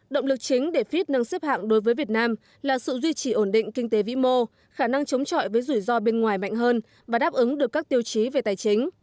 động lực chính để fit nâng xếp hạng đối với việt nam là sự duy trì ổn định kinh tế vĩ mô khả năng chống chọi với rủi ro bên ngoài mạnh hơn và đáp ứng được các tiêu chí về tài chính